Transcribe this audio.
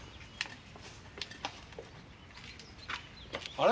あれ？